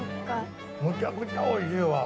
むちゃくちゃおいしいわ。